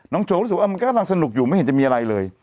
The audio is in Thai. โชว์รู้สึกว่ามันก็กำลังสนุกอยู่ไม่เห็นจะมีอะไรเลย